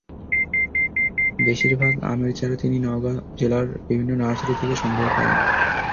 বেশির ভাগ আমের চারা তিনি নওগাঁ জেলার বিভিন্ন নার্সারি থেকে সংগ্রহ করেন।